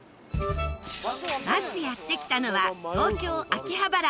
まずやって来たのは東京秋葉原。